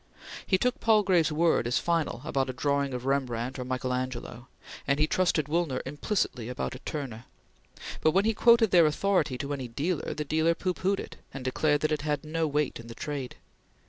He took Palgrave's word as final about a drawing of Rembrandt or Michael Angelo, and he trusted Woolner implicitly about a Turner; but when he quoted their authority to any dealer, the dealer pooh poohed it, and declared that it had no weight in the trade.